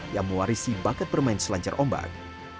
yang mewarisi bakat bermain selancar ombak